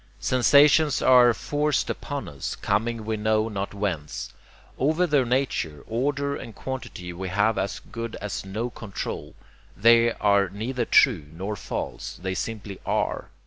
Sensations are forced upon us, coming we know not whence. Over their nature, order, and quantity we have as good as no control. THEY are neither true nor false; they simply ARE.